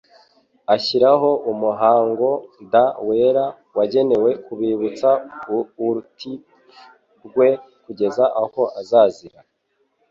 ashyiraho umuhangd wera wagenewe kubibutsa urtipfu rwe " kugeza aho azazira'".